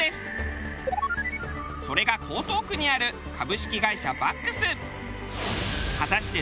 それが江東区にある株式会社バックス。